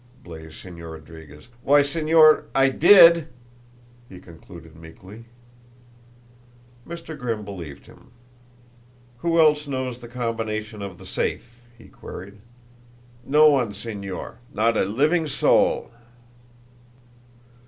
blazed Señor Rodriguez. "Why, Señor ! I did!" he concluded meekly. Mr. Grimm believed him. "Who else knows the combination of the safe?" he queried. "No one, Señor not a living soul."